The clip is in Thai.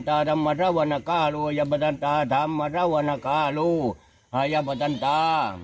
ทำมาตราวนาคาลูไฮยะประจันตา